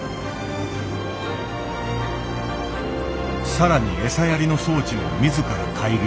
更に餌やりの装置も自ら改良。